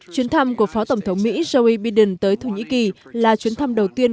chuyến thăm của phó tổng thống mỹ joe biden tới thổ nhĩ kỳ là chuyến thăm đầu tiên